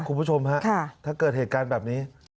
คุณผู้ชมฮะถ้าเกิดเหตุการณ์แบบนี้